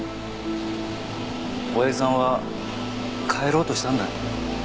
親父さんは帰ろうとしたんだ。